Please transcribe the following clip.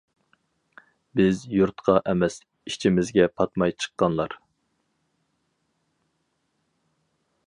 بىز يۇرتقا ئەمەس، ئىچىمىزگە پاتماي چىققانلار.